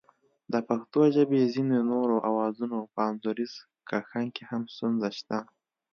د پښتو ژبې ځینو نورو آوازونو په انځوریز کښنګ کې هم ستونزه شته